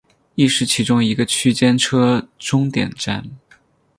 亦是其中一个区间车终点站。